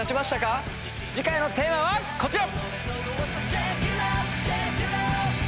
次回のテーマはこちら！